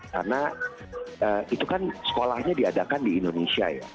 karena itu kan sekolahnya diadakan di indonesia ya